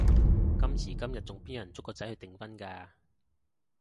今時今日仲邊有人捉個仔去訂婚㗎？